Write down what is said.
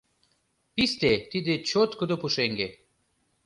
Писте — тиде чоткыдо пушеҥге